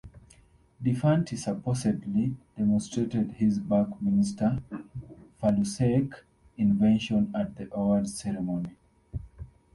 DeFanti supposedly demonstrated his Buckminster Fulleresque invention at the awards ceremony.